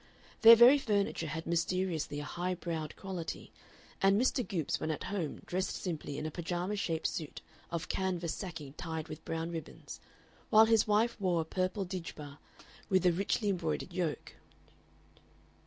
Their very furniture had mysteriously a high browed quality, and Mr. Goopes when at home dressed simply in a pajama shaped suit of canvas sacking tied with brown ribbons, while his wife wore a purple djibbah with a richly embroidered yoke.